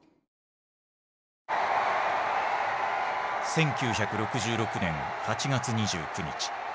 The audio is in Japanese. １９６６年８月２９日。